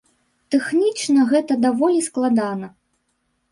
Тэхнічна гэта даволі складана.